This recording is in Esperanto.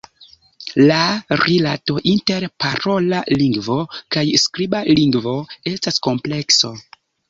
La rilato inter parola lingvo kaj skriba lingvo estas komplekso.